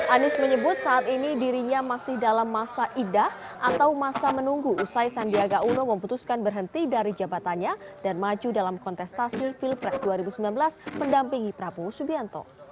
anies menyebut saat ini dirinya masih dalam masa idah atau masa menunggu usai sandiaga uno memutuskan berhenti dari jabatannya dan maju dalam kontestasi pilpres dua ribu sembilan belas mendampingi prabowo subianto